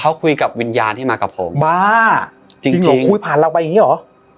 เขาคุยกับวิญญาณที่มากับผมบ้าจริงอุ้ยผ่านเราไปอย่างงี้เหรอ